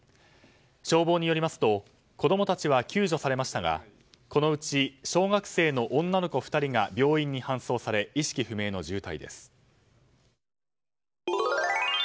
消防によりますと子供たちは救助されましたがこのうち小学生の女の子２人が病院に搬送され意識不明の重体です。